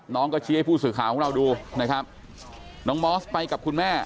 น้องก็ชี้ให้ผู้สื่อข่าวของเราดูนะครับน้องมอสไปกับคุณแม่